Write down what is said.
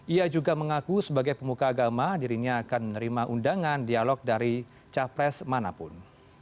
ia juga mengaku sebagai pemuka agama dirinya akan menerima undangan dialog dari capres manapun